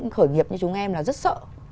khởi nghiệp như chúng em là rất sợ